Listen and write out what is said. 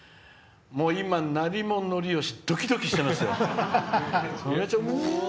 今、なりものりよしドキドキしてますよ。うわ！